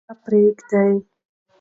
نفاق پریږدئ.